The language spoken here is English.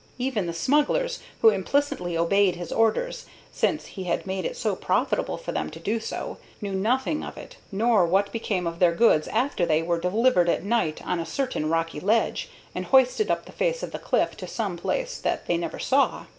Even the smugglers, who implicitly obeyed his orders, since he had made it so profitable for them to do so, knew nothing of it, nor what became of their goods after they were delivered at night on a certain rocky ledge, and hoisted up the face of the cliff to some place that they never saw.